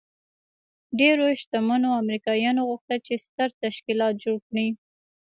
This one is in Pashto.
ډېرو شتمنو امريکايانو غوښتل چې ستر تشکيلات جوړ کړي.